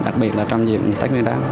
đặc biệt là trong dịp tết nguyên đáng